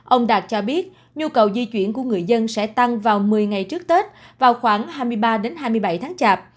ông đạt cho biết nhu cầu di chuyển của người dân sẽ tăng vào một mươi ngày trước tết vào khoảng hai mươi ba hai mươi bảy tháng chạp